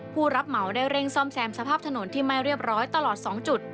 ผู้รับเหมาได้เร่งซ่อมแซมสภาพถนนที่ไม่เรียบร้อยตลอด๒จุด